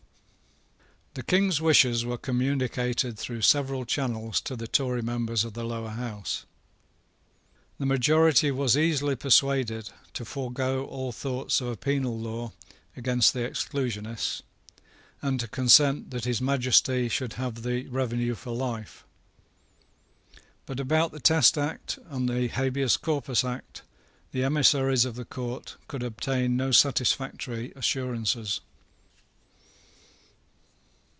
The King's wishes were communicated through several channels to the Tory members of the Lower House. The majority was easily persuaded to forego all thoughts of a penal law against the Exclusionists, and to consent that His Majesty should have the revenue for life. But about the Test Act and the Habeas Corpus Act the emissaries of the Court could obtain no satisfactory assurances.